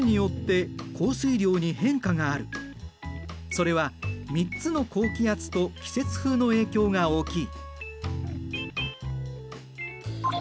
それは３つの高気圧と季節風の影響が大きい。